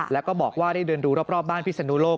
แล้วก็บอกว่าได้เดินดูรอบบ้านพิศนุโลก